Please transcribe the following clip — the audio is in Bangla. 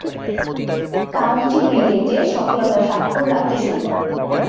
কাউন্টি ক্রিকেটে সফলতার স্বাক্ষর রাখতে শুরু করেন।